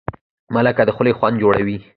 مالګه د خولې خوند جوړوي.